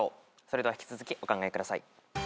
それでは引き続きお考えください。